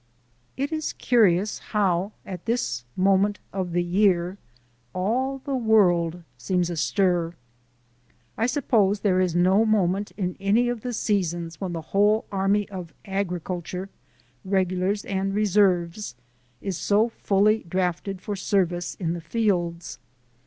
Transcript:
It is curious how at this moment of the year all the world seems astir. I suppose there is no moment in any of the seasons when the whole army of agriculture, regulars and reserves, is so fully drafted for service in the fields.